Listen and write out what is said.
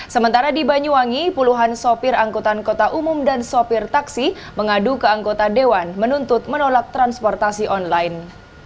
sementara di banyuwangi puluhan sopir angkutan kota umum dan sopir taksi mengadu ke anggota dewan menuntut menolak transportasi online